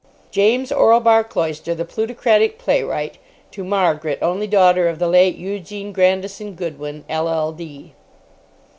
"James Orlebar Cloyster, the plutocratic playwright, to Margaret, only daughter of the late Eugene Grandison Goodwin, LL.D."